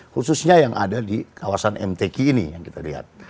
khususnya yang ada di kawasan mtk ini yang kita lihat